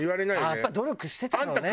「やっぱ努力してたのね」